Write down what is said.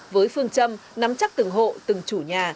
với phương châm nắm chắc từng hộ từng chủ nhà